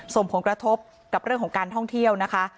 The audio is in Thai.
ส่งผลกระทบกับเรื่องของการท่องเที่ยวนะคะ